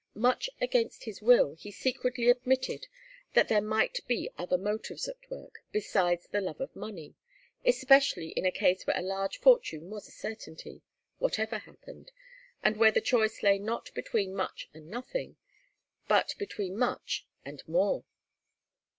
Much against his will he secretly admitted that there might be other motives at work besides the love of money, especially in a case where a large fortune was a certainty, whatever happened, and where the choice lay not between much and nothing, but between much and more.